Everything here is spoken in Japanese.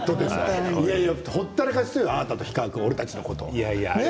ほったらかしよ、あなたと氷川君、俺たちのこと。